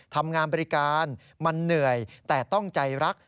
ทำงานบริการมันเหนื่อยแต่ต้องใจรัก